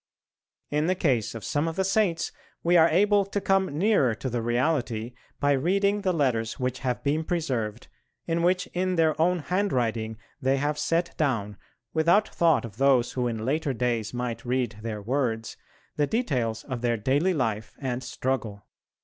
In the case of some of the Saints we are able to come nearer to the reality by reading the letters which have been preserved, in which in their own handwriting they have set down, without thought of those who in later days might read their words, the details of their daily life and struggle.